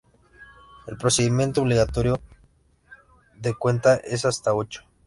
El procedimiento obligatorio de cuenta es hasta ocho.